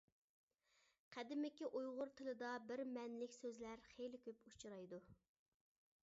قەدىمكى ئۇيغۇر تىلىدا بىر مەنىلىك سۆزلەر خېلى كۆپ ئۇچرايدۇ.